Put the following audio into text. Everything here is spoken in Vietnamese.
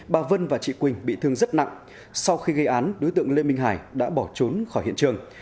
bà vân và chị quỳnh bị thương rất nặng sau khi gây án đối tượng lê minh hải đã bỏ trốn khỏi hiện trường